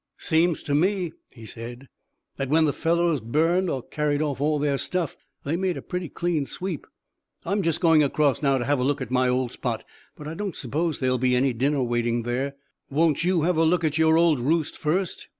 "Seems to me," he said, "that when the fellows burned or carried off all their stuff they made a pretty clean sweep. I'm just going across now to have a look at my old spot; but I don't suppose there'll be any dinner waiting there. Won't you have a look at your old roost first?"